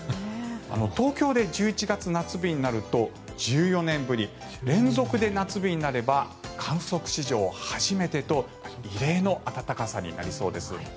東京で１１月、夏日になると１４年ぶり連続で夏日になれば観測史上初めてと異例の暖かさになりそうです。